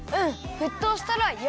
ふっとうしたらよ